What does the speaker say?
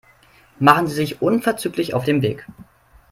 Machen Sie sich unverzüglich auf den Weg.